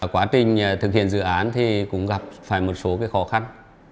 quá trình thực hiện dự án thì cũng gặp phải một số khó khăn